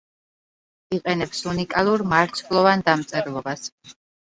იყენებს უნიკალურ მარცვლოვან დამწერლობას.